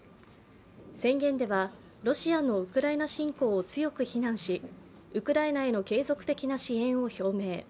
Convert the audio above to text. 宣言では、ロシアのウクライナ侵攻を強く非難しウクライナへの継続的な支援を表明。